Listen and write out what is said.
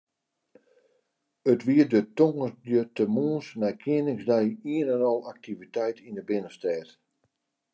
It wie de tongersdeitemoarns nei Keningsdei ien en al aktiviteit yn de binnenstêd.